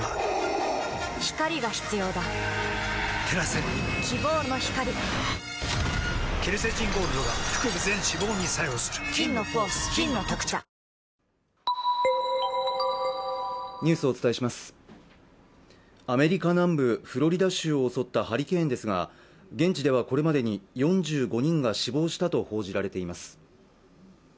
サントリー「セサミン」アメリカ南部フロリダ州を襲ったハリケーンですが、現地ではこれまでに４５人が死亡したと報じられています。